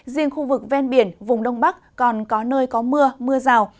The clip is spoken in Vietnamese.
riêng khu vực ven biển vùng đông bắc còn có nơi có mưa mưa rào